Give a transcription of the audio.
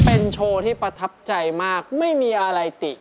เป็นโชว์ที่ประทับใจมากไม่มีอะไรติ